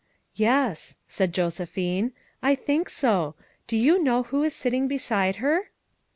"Yes," said Josephine, "I think so. Do you know who is sitting beside her?"